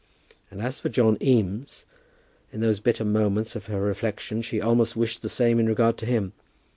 And as for John Eames, in those bitter moments of her reflection she almost wished the same in regard to him.